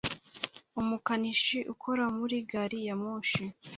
Umukanishi ukora muri gari ya moshi